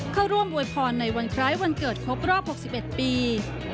เข้าร่วมอวยพรในวันคล้ายวันเกิดครบรอบ๖๑ปี